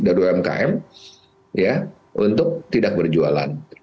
dari umkm ya untuk tidak berjualan